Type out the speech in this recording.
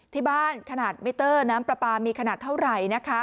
ที่บ้านขนาดมิเตอร์น้ำประปามีขนาดเท่าไหร่